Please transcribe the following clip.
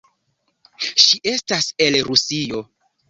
Ŝi estas el Rusio.